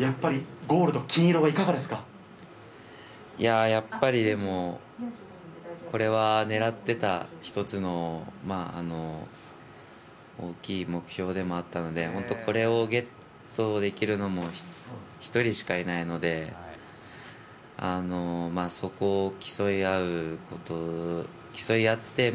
やっぱりゴールド、金色はいいやぁ、やっぱりでも、これは狙ってた一つの大きい目標でもあったので、本当、これをゲットできるのも、１人しかいないので、そこを競い合うこと、競い合って、